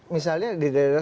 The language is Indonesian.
misalnya di daerah daerah